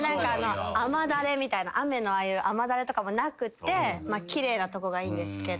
雨垂れみたいな雨のああいう雨垂れとかもなくて奇麗なとこがいいんですけど。